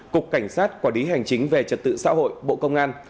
cục cảnh sát quản lý hành chính về trật tự xã hội bộ công an